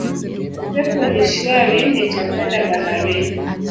Upepo ni shwari nitakwenda baharini